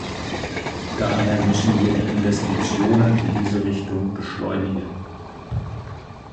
Daher müssen wir die Investitionen in diese Richtung beschleunigen.